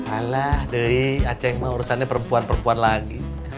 alah deh acing mah urusannya perempuan perempuan lagi